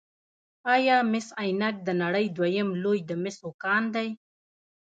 آیا مس عینک د نړۍ دویم لوی د مسو کان دی؟